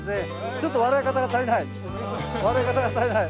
ちょっと笑い方が足りない。